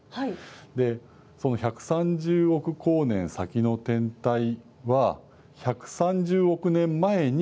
でその１３０億光年先の天体は１３０億年前に出た光。え？